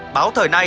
báo thời này